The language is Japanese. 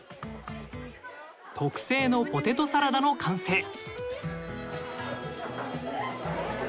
特製のポテトサラダの完成。